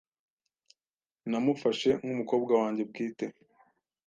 Namufashe nkumukobwa wanjye bwite .